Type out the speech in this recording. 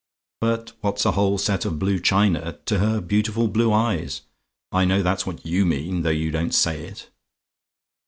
But what's a whole set of blue china to her beautiful blue eyes? I know that's what you mean, though you don't say it.